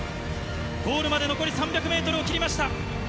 ゴールまで残り３００メートルを切りました。